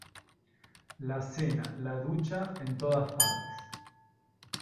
la cena, la ducha , en todas partes.